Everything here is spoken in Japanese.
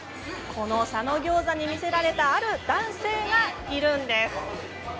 この佐野餃子に魅せられたある男性がいるんです。